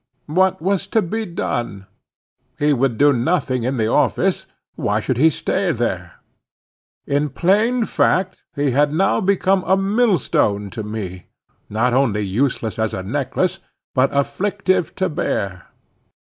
What was to be done? He would do nothing in the office: why should he stay there? In plain fact, he had now become a millstone to me, not only useless as a necklace, but afflictive to bear.